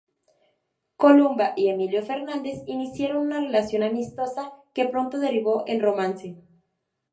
Columba y Emilio Fernández iniciaron una relación amistosa, que pronto derivó en romance.